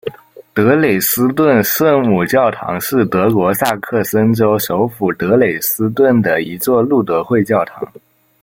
德累斯顿圣母教堂是德国萨克森州首府德累斯顿的一座路德会教堂。